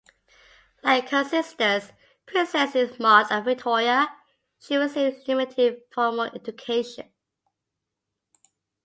Like her sisters, Princesses Maud and Victoria, she received limited formal education.